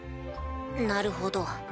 なるほど。